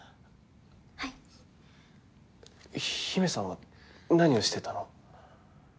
はい陽芽さんは何をしてたの？